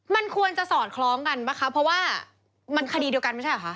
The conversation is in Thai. มันควรจะสอดคล้องกันป่ะคะเพราะว่ามันคดีเดียวกันไม่ใช่เหรอคะ